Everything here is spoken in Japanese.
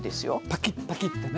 パキッパキッてね。